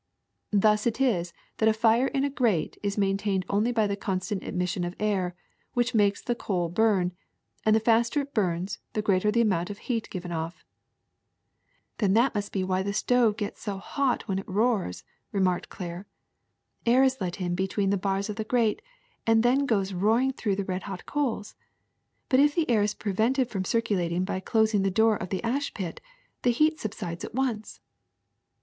Thus it is that a fire in a grate is maintained only by the constant admission of air, which makes the coal burn ; and the faster it burns, the greater the amount of heat given off. ''*^ Then that must be why the stove gets so hot when it roars,'' remarked Claire. *'Air is let in between the bars of the grate and then goes roaring through the red hot coals. But if the air is prevented from circulating by closing the door of the ash pit, the heat subsides at once."